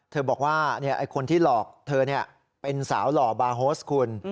บอกว่าคนที่หลอกเธอเป็นสาวหล่อบาร์โฮสคุณ